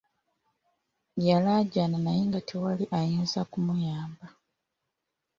Yalaajana naye nga tewali ayinza kumuyamba.